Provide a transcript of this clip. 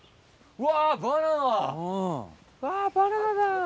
うわバナナだ！